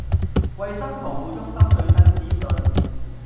衞生防護中心最新資訊